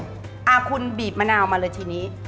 อ่าคุณบีบมะนาวมาเลยทีนี้